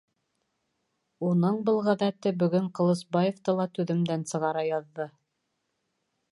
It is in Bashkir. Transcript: Уның был ғәҙәте бөгөн Ҡылысбаевты ла түҙемдән сығара яҙҙы.